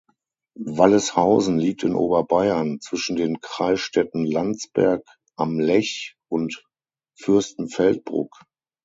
Walleshausen liegt in Oberbayern, zwischen den Kreisstädten Landsberg am Lech und Fürstenfeldbruck.